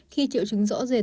khi triệu trứng rõ rệt